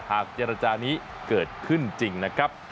เจรจานี้เกิดขึ้นจริงนะครับ